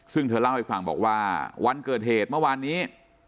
ซึ่งเธอเล่าให้ฟังบอกว่าวันเกิดเหตุเมื่อวานนี้